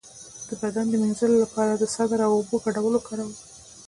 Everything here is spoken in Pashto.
د بدن د مینځلو لپاره د سدر او اوبو ګډول وکاروئ